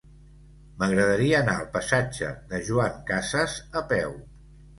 M'agradaria anar al passatge de Joan Casas a peu.